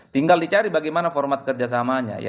tinggal dicari bagaimana format kerjasamanya